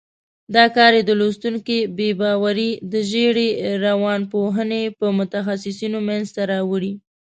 دا کار یې د لوستونکي بې باوري د زېړې روانپوهنې په متخصیصینو منځته راوړي.